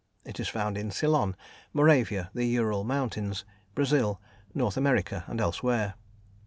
It is found in Ceylon, Moravia, the Ural Mountains, Brazil, North America, and elsewhere.